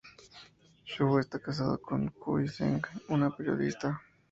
Xu está casado con Cui Zheng, una periodista.